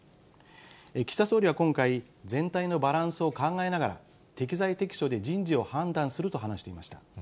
岸田総理は今回、全体のバランスを考えながら、適材適所で人事を判断すると話していました。